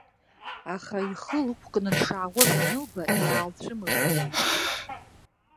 Аха ихы лықәкны дшаауаз анылба, иаалцәымыӷхеит.